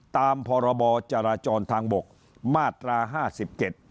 ตามพรบจราจรทางบกมาตราห้าสิบเจ็ด